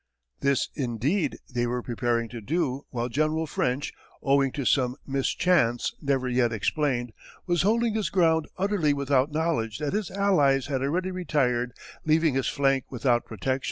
This indeed they were preparing to do while General French, owing to some mischance never yet explained, was holding his ground utterly without knowledge that his allies had already retired leaving his flank without protection.